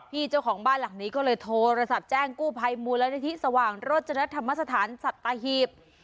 เจ้าของบ้านหลังนี้ก็เลยโทรศัพท์แจ้งกู้ภัยมูลนิธิสว่างโรจนธรรมสถานสัตหีบ